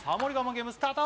ゲームスタート